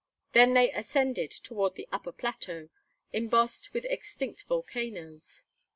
Then they ascended toward the upper plateau, embossed with extinct volcanoes.